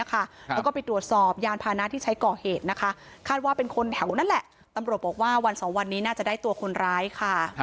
แล้วก็ไปตรวจสอบยานพาณาที่ใช้ก